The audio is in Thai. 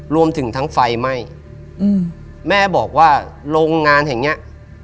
รวมถึงทั้งไฟไหม้อืมแม่บอกว่าโรงงานแห่งเนี้ย